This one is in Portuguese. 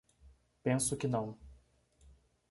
Penso que não.